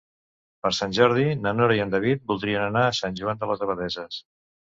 Per Sant Jordi na Nora i en David voldrien anar a Sant Joan de les Abadesses.